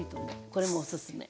これもおすすめ。